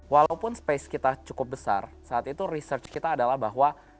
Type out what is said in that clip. walaupun space kita cukup besar saat itu research kita adalah bahwa